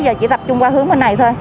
giờ chỉ tập trung qua hướng bên này thôi